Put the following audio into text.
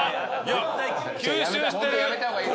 絶対やめた方がいい。